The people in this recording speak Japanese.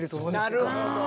なるほど。